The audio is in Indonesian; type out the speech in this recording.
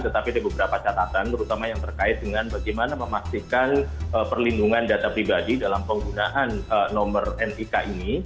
tetapi ada beberapa catatan terutama yang terkait dengan bagaimana memastikan perlindungan data pribadi dalam penggunaan nomor nik ini